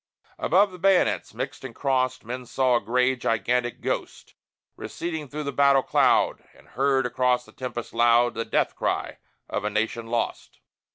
Above the bayonets, mixed and crossed, Men saw a gray, gigantic ghost Receding through the battle cloud, And heard across the tempest loud The death cry of a nation lost!